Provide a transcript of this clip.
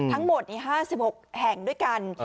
ทั้งหมดนี้๕๖แห่งด้วยกัน